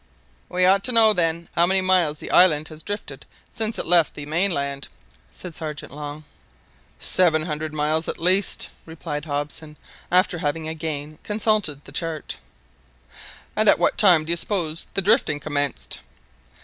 "We ought to know, then, how many miles the island has drifted since it left the mainland," said Sergeant Long. "Seven hundred miles at least," replied Hobson, after having again consulted the chart. "And at about what time do you suppose the drifting commenced?"